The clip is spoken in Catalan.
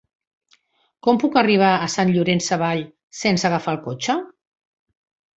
Com puc arribar a Sant Llorenç Savall sense agafar el cotxe?